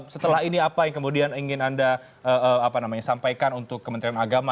setelah ini apa yang kemudian ingin anda sampaikan untuk kementerian agama